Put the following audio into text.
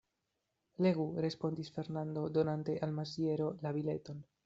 Legu, respondis Fernando, donante al Maziero la bileton.